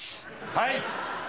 はい。